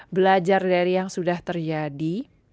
belajar dari yang sudah terjadi